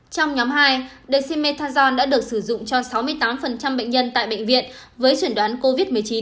trong nhóm hai dexamethasone đã được sử dụng cho sáu mươi tám bệnh nhân tại bệnh viện với chuyển đoán covid một mươi chín